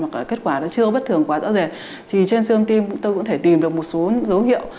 hoặc là kết quả chưa bất thường quá rõ ràng thì trên siêu ôm tim chúng ta cũng có thể tìm được một số dấu hiệu